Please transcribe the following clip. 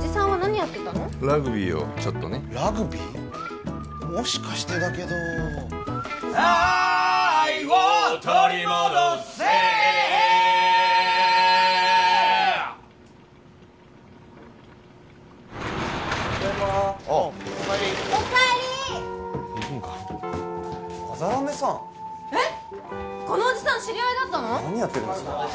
何やってるんですか